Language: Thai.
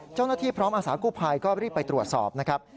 เจ้าหน้าที่พร้อมอาสากู้ภัยก็รีบไปตรวจสอบนะครับ